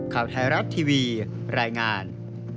ข่าวไทยรัฐทีวีรายงาน